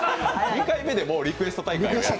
２回目でもうリクエスト大会？